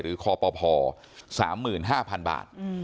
หรือคพ๓๕๐๐๐บาท